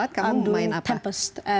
saya melakukan tempest